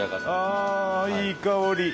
あいい香り！